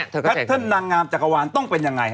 แคทเทิร์นนางงามจักรวาลต้องเป็นยังไง